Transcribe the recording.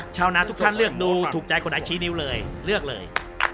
ชาวนาทุกท่านเลือกดูถูกใจคนไหนชี้นิ้วเลยเลือกเลย